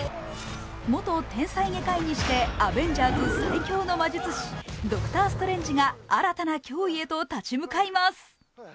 元天才外科医にしてアベンジャーズ最強の魔術師、ドクター・ストレンジが新たな脅威へと立ち向かいます。